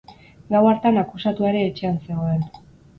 Gau hartan akusatua ere etxean zegoen.